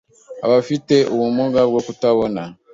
abafite ubumuga bwo kutabona